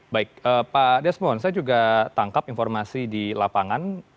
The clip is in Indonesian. baik pak desmond saya juga tangkap informasi di lapangan